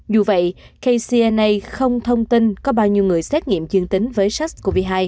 dù vậy kcna không thông tin có bao nhiêu người xét nghiệm dương tính với sars cov hai